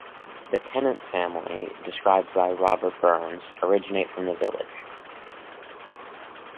The Tennant family, described by Robert Burns, originate from the village.